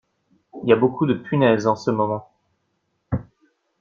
Y a beaucoup de punaises en ce moment.